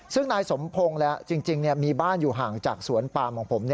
ซึ่งนายสมพงศ์จริงมีบ้านอยู่ห่างจากสวนปามของผม